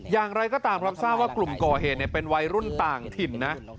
อย่างไรก็ตามพร้อมทราบว่ากลุ่มก่อเหมือนเนี่ยเป็นวัยรุ่นต่างถิ่นนะ